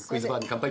乾杯。